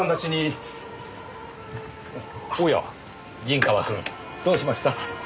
おや陣川くんどうしました？